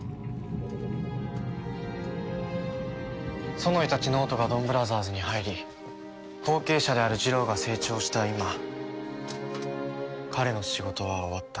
ソノイたち脳人がドンブラザーズに入り後継者であるジロウが成長した今彼の仕事は終わった。